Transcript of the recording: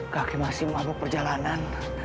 kakek masih mabuk perjalanan